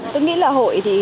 tôi nghĩ là hội thì